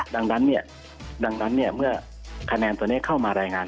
ดังนั้นดังนั้นเมื่อคะแนนตัวนี้เข้ามารายงาน